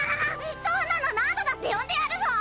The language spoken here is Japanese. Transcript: そんなの何度だって呼んでやるぞ！